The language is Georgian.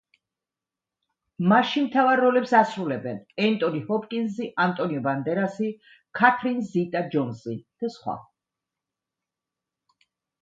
მასში მთავარ როლებს ასრულებენ: ენტონი ჰოპკინზი, ანტონიო ბანდერასი, კათრინ ზიტა-ჯონზი და სხვა.